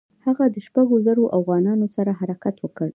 هغه د شپږو زرو اوغانانو سره حرکت وکړ.